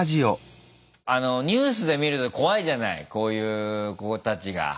あのニュースで見ると怖いじゃないこういう子たちが。